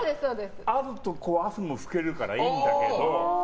あると汗も拭けるからいいんだけど。